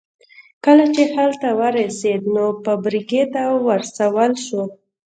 کله چې هلته ورسېد نو فابريکې ته ورسول شو.